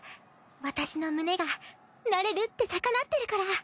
私の胸がなれるって高鳴ってるから。